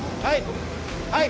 はい。